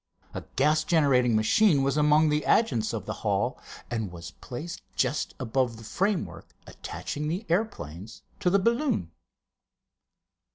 A gas generating machine was among the adjuncts of the hull, and was placed just above the framework attaching the airplanes to the balloon.